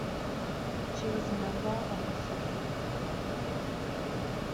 She was a member of the Social Democratic Party.